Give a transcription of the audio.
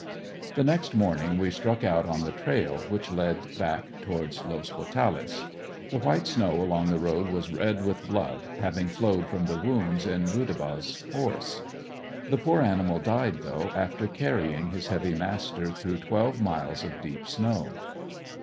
The next morning we struck out on the trail which led back towards Los Potales. The white snow along the trail was red with blood, having flowed from the wounds in Rudabaugh's horse. The poor animal died though after carrying his heavy master through twelve miles of deep snow.